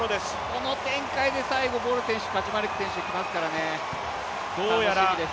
この展開で最後、ボル選手、カチュマレク選手来ますからね、楽しみです。